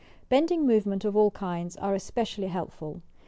Bending movement of all kinds are especially helpful.